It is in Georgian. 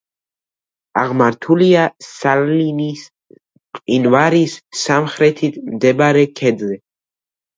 აღმართულია სალინის მყინვარის სამხრეთით მდებარე ქედზე.